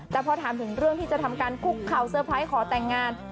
แต่พอถามถึงเรื่องที่จะทำการคุกเข่าเซอร์ไพรส์ขอแต่งงาน